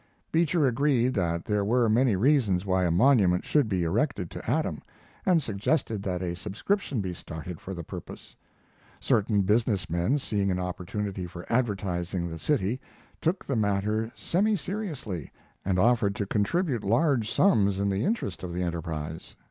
Beecher agreed that there were many reasons why a monument should be erected to Adam, and suggested that a subscription be started for the purpose. Certain business men, seeing an opportunity for advertising the city, took the matter semi seriously, and offered to contribute large sums in the interest of the enterprise.